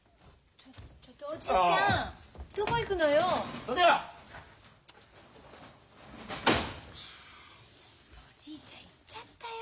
ちょっとおじいちゃん行っちゃったよ！？